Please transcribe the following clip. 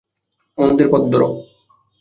মন্দের পথ ধর।